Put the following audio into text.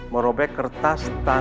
merobek kertas tanda pendaftaran